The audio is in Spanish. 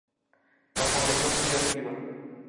La fundación sigue activa.